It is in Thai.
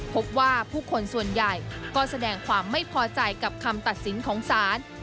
พบว่าผู้คนส่วนใหญ่ก็แสดงความไม่พอใจกับคำตัดสินของศาล